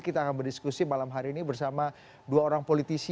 kita akan berdiskusi malam hari ini bersama dua orang politisi